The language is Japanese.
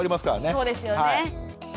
そうですよね。